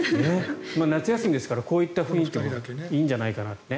夏休みですからこういった雰囲気もいいんじゃないかなって。